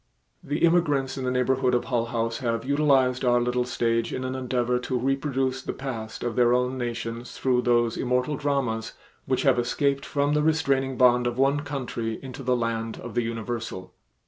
The immigrants in the neighborhood of Hull House have utilized our little stage in an endeavor to reproduce the past of their own nations through those immortal dramas which have escaped from the restraining bond of one country into the land of the universal.